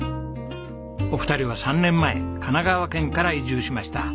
お二人は３年前神奈川県から移住しました。